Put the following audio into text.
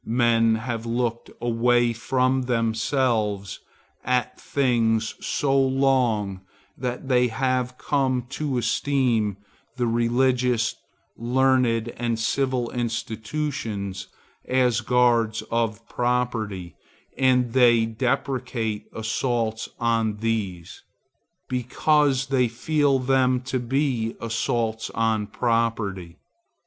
Men have looked away from themselves and at things so long that they have come to esteem the religious, learned and civil institutions as guards of property, and they deprecate assaults on these, because they feel them to be assaults on property.